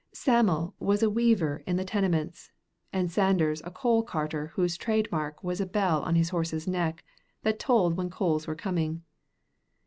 Sam'l was a weaver in the Tenements, and Sanders a coal carter whose trade mark was a bell on his horse's neck that told when coals were coming.